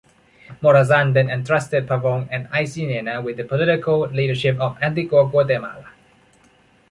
Morazan then entrusted Pavon and Aycinena with the political leadership of Antigua Guatemala.